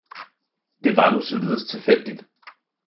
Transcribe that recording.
- det var nu saaledes tilfældigt!